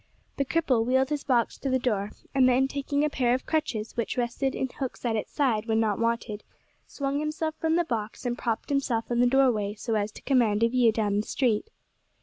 The cripple wheeled his box to the door, and then taking a pair of crutches which rested in hooks at its side when not wanted, swung himself from the box, and propped himself in the doorway so as to command a view down the street.